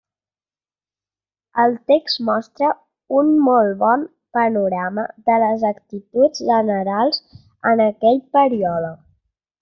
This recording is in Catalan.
El text mostra un molt bon panorama de les actituds generals en aquell període.